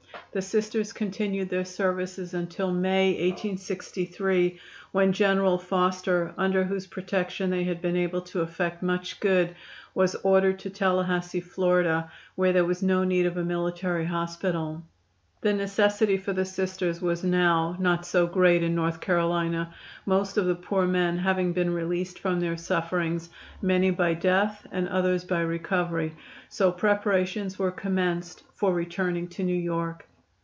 The Sisters continued their services until May, 1863, when General Foster, under whose protection they had been able to effect much good, was ordered to Tallahassee, Florida, where there was no need of a military hospital. The necessity for the Sisters was now not so great in North Carolina most of the poor men having been released from their sufferings, many by death and others by recovery so preparations were commenced for returning to New York.